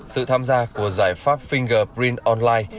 sự tham gia của giải pháp fingerprint online